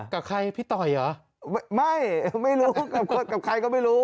กับใครพี่ต่อยเหรอไม่ไม่รู้กับใครก็ไม่รู้